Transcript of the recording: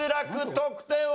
得点は？